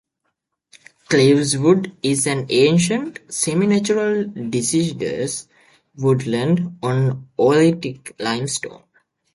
Cleaves Wood is an ancient, semi-natural deciduous woodland on oolitic limestone.